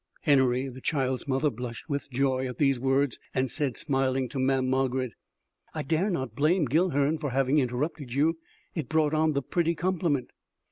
Henory, the child's mother blushed with joy at these words and said smiling to Mamm' Margarid: "I dare not blame Guilhern for having interrupted you; it brought on the pretty compliment."